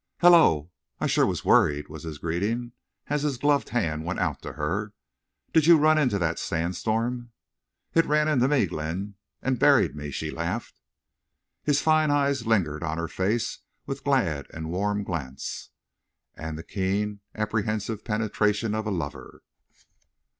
"Hello! I sure was worried," was his greeting, as his gloved hand went out to her. "Did you run into that sandstorm?" "It ran into me, Glenn, and buried me," she laughed. His fine eyes lingered on her face with glad and warm glance, and the keen, apprehensive penetration of a lover.